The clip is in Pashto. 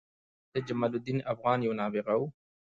سيدجمال الدين افغان یو نابغه وه